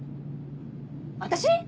私？